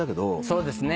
そうですね。